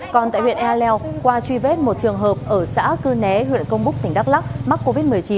còn tại huyện ea leo qua truy vết một trường hợp ở xã cư né huyện công búc tỉnh đắk lắc mắc covid một mươi chín